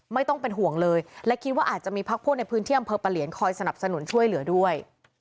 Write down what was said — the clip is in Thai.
ไม่ต้องเป็นห่วงเลยและคิดว่าอาจจะมีพักพวกในพื้นที่อำเภอปะเหลียนคอยสนับสนุนช่วยเหลือด้วย